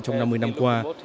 trong năm mươi năm qua